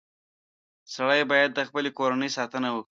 • سړی باید د خپلې کورنۍ ساتنه وکړي.